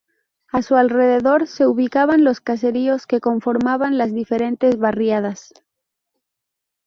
A su alrededor, se ubicaban los caseríos que conformaban las diferentes barriadas.